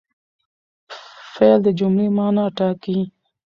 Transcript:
فعل د جملې مانا ټاکي.